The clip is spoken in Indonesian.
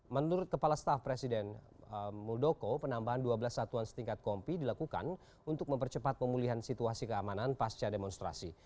menurut kepala staf presiden muldoko penambahan dua belas satuan setingkat kompi dilakukan untuk mempercepat pemulihan situasi keamanan pasca demonstrasi